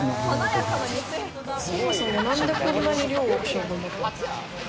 そもそもなんでこんなに量を多くしようと思ったんですか？